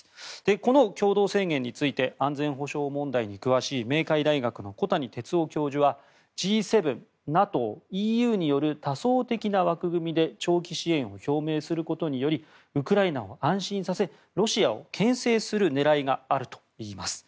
この共同宣言について安全保障問題に詳しい明海大学の小谷哲男教授はＧ７、ＮＡＴＯ、ＥＵによる多層的な枠組みで長期支援を表明することによりウクライナを安心させロシアをけん制する狙いがあるといいます。